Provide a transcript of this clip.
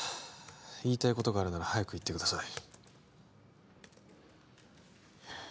言いたいことがあるなら早く言ってください